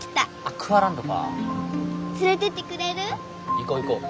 行こう行こう。